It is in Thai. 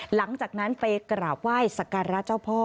หลังจากนั้นไปกราบไหว้สักการะเจ้าพ่อ